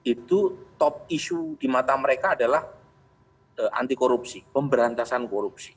itu top issue di mata mereka adalah anti korupsi pemberantasan korupsi